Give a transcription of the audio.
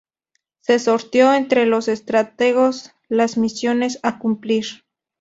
Se sorteó entre los estrategos las misiones a cumplir.